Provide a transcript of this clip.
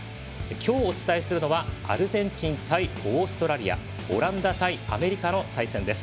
今日お伝えするのはアルゼンチン対オーストラリアオランダ対アメリカの対戦です。